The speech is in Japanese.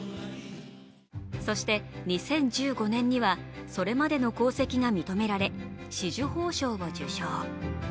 そして２０１５年にはそれまでの功績が認められ、紫綬褒章を受章。